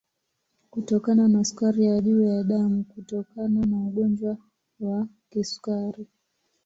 Kutokana na sukari ya juu ya damu kutokana na ugonjwa wa kisukari